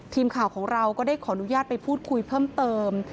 ทีมข่าวของเราก็ได้ขออนุญาตไปพูดคุยเพิ่มเติม